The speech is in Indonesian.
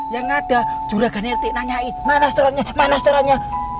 yang ada curahkan rt nanyain mana setorannya mana setorannya